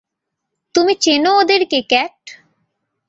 তুমি চেনো ওদেরকে, ক্যাট?